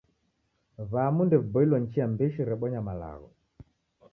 W'amu ndew'iboilo ni chia mbishi rebonya malagho.